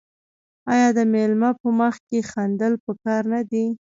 آیا د میلمه په مخ کې خندل پکار نه دي؟